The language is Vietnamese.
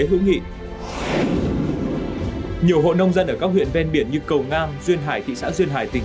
hữu nghị nhiều hộ nông dân ở các huyện ven biển như cầu ngang duyên hải thị xã duyên hải tỉnh